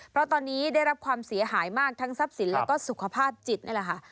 เพราะตอนนี้ได้รับความเสียหายมากทั้งทรัพย์สินแล้วก็สุขภาพจิตนี่แหละค่ะ